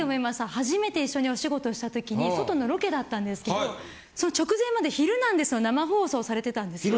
初めて一緒にお仕事したときに外のロケだったんですけど直前まで「昼なんです」の生放送されてたんですよ。